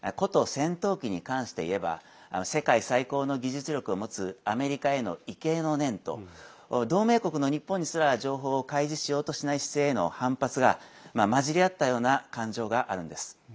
戦闘機に関していえば世界最高の技術力を持つアメリカへの畏敬の念と同盟国の日本にすら情報を開示しようとしない姿勢への反発が混じり合ったような感情があるんです。